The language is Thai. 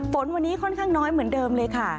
ฝนวันนี้ค่อนข้างน้อยเหมือนเดิมเลยค่ะ